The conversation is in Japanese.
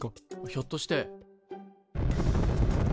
ひょっとして。